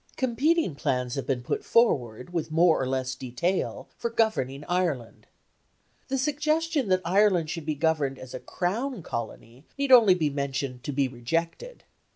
Competing plans have been put forward, with more or less detail, for governing Ireland. The suggestion that Ireland should be governed as a Crown colony need only be mentioned to be rejected.